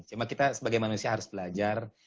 cuma kita sebagai manusia harus belajar